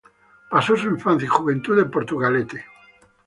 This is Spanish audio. Pasó su infancia y juventud en Portugalete.